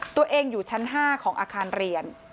ตัวเองอยู่ชั้น๕ของอาคารเรียน